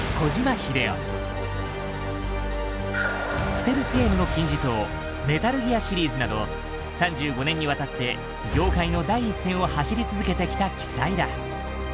ステルスゲームの金字塔「メタルギア」シリーズなど３５年にわたって業界の第一線を走り続けてきた奇才だ。